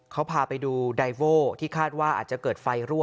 เขาพาไปดูไดโว้ที่คาดว่าอาจจะเกิดไฟรั่ว